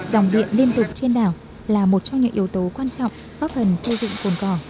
dòng điện liên tục trên đảo là một trong những yếu tố quan trọng góp phần xây dựng cồn cỏ